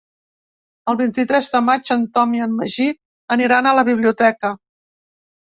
El vint-i-tres de maig en Tom i en Magí aniran a la biblioteca.